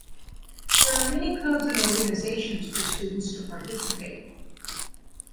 There are many clubs and organizations for students to participate.